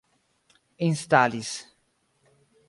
instalis